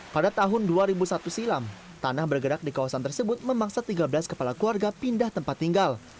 pada tahun dua ribu satu silam tanah bergerak di kawasan tersebut memaksa tiga belas kepala keluarga pindah tempat tinggal